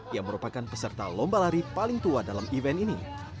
yang merupakan peserta lomba lari paling tua dalam event ini